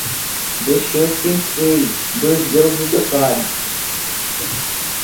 Deixou cinco filhos, dois deles adotados